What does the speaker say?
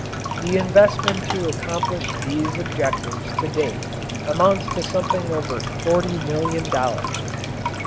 The investment to accomplish these objects to date amounts to something over forty million dollars.